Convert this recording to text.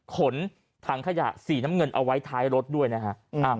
ขนถังขยะสีน้ำเงินเอาไว้ท้ายรถด้วยนะฮะ